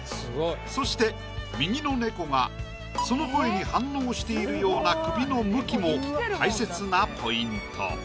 そして右の猫がその声に反応しているような首の向きも大切なポイント。